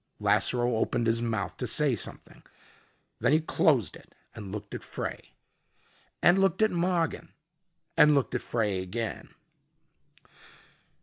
Lasseroe opened his mouth to say something. Then he closed it and looked at Frey and looked at Mogin and looked at Frey again.